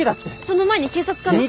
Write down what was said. その前に警察かな？